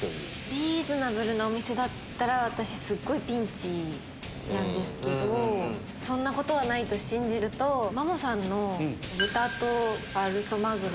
リーズナブルなお店だったら私すごいピンチなんですけどそんなことはないと信じるとマモさんの豚とファルソマグロ。